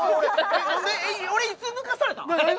えっいつ抜かされたん？